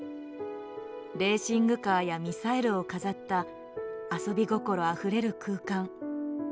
レーシングカーやミサイルを飾った遊び心あふれる空間。